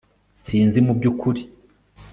Sinzi mubyukuri